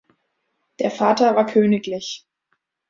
Der Vater war königl.